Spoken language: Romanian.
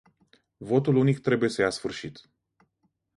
Votul unic trebuie să ia sfârșit.